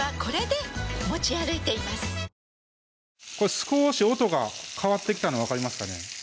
少し音が変わってきたの分かりますかね？